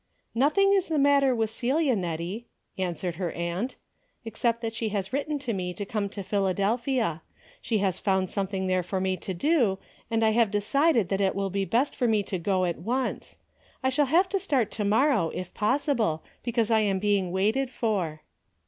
" Nothing is the matter with Celia, Nettie," answered her aunt, " except that she has writ ten me to come to Philadelphia. She has found something there for me to do, and I have decided that it will be best for me to go at once. I shall have to start to morrow, if possible, because I am being waited for."